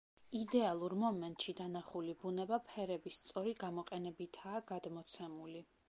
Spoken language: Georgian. იდეალურ მომენტში დანახული ბუნება ფერების სწორი გამოყენებითაა გადმოცემული.